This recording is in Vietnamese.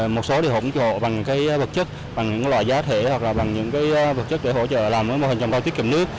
một số thì ủng hộ bằng bậc chất bằng những loại giá thể hoặc là bằng những bậc chất để hỗ trợ làm mô hình trầm cao tiết kiệm nước